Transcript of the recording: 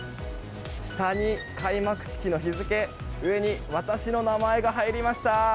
下に開幕式の日付上に私の名前が入りました！